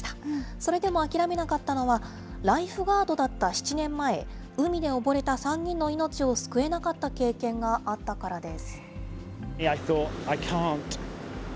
それでも諦めなかったのは、ライフガードだった７年前、海で溺れた３人の命を救えなかった経験があったからです。